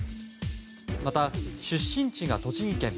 また、出身地が栃木県。